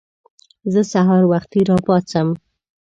زه سهار وختي راپاڅم.